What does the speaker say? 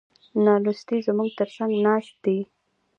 نالوستي زموږ تر څنګ ناست دي.